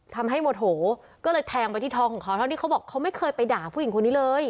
โมโหก็เลยแทงไปที่ท้องของเขาทั้งที่เขาบอกเขาไม่เคยไปด่าผู้หญิงคนนี้เลย